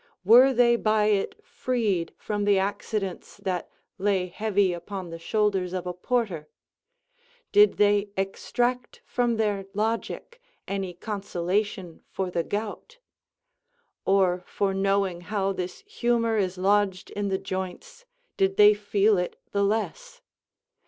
Were they by it freed from the accidents that lay heavy upon the shoulders of a porter? Did they extract from their logic any consolation for the gout? Or, for knowing how this humour is lodged in the joints, did they feel it the less?